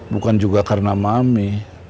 bukan juga karena mami